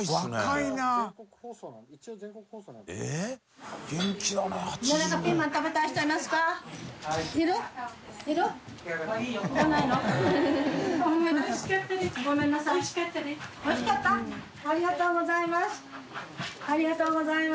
兇い泙后ありがとうございます。